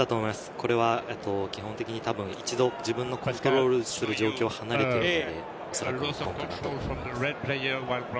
これは基本的にたぶん、自分のコントロールする状況を離れていると思うので、おそらくノックオンだと思います。